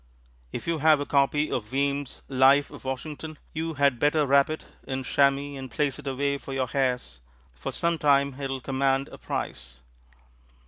If you have a copy of Weems' "Life of Washington," you had better wrap it in chamois and place it away for your heirs, for some time it will command a price.